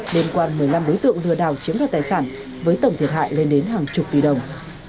đềm quan một mươi năm bối tượng lừa đào chiếm ra tài sản với tổng thiệt hại lên đến hàng chục tỷ đồng